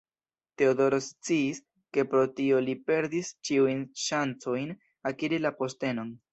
Teodoro sciis, ke pro tio li perdis ĉiujn ŝancojn akiri la postenon.